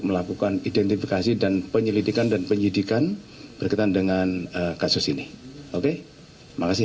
melakukan identifikasi dan penyelidikan dan penyidikan berkaitan dengan kasus ini oke makasih